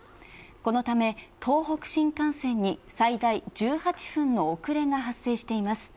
このため、東北新幹線に最大１８分の遅れが発生しています。